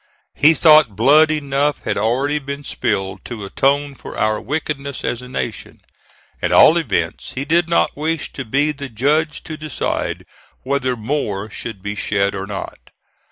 He thought blood enough had already been spilled to atone for our wickedness as a nation. At all events he did not wish to be the judge to decide whether more should be shed or not.